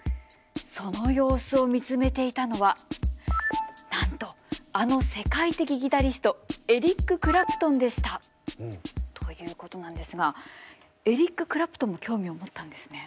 その様子を見つめていたのはなんとあの世界的ギタリストエリック・クラプトンでした。ということなんですがエリック・クラプトンも興味を持ったんですね。